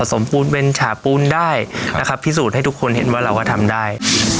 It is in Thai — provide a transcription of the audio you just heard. สมบูรณ์เป็นฉาปูนได้นะครับพิสูจน์ให้ทุกคนเห็นว่าเราก็ทำได้